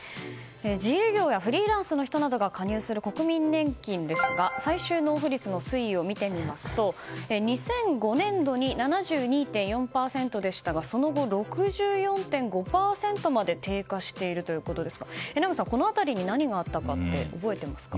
自営業やフリーランスの人などが加入する国民年金ですが最終納付率の推移を見てみますと２００５年度に７２．４％でしたがその後、６４．５％まで低下しているということですが榎並さん、この辺りに何があったか覚えていますか？